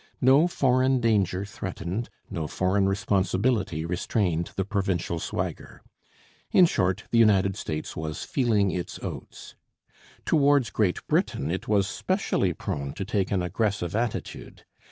No foreign danger threatened, no foreign responsibility restrained the provincial swagger. In short, the United States was 'feeling its oats.' Towards Great Britain it was specially prone to take an aggressive attitude.